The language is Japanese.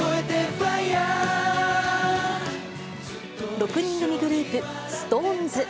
６人組グループ、ＳｉｘＴＯＮＥＳ。